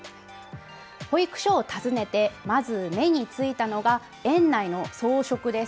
保育所を訪ねてまず目についたのが園内の装飾です。